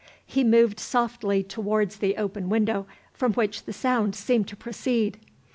He moved softly towards the open window from which the sound seemed to proceed.